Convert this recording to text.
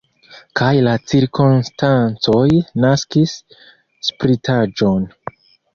Kaj la cirkonstancoj naskis spritaĵon.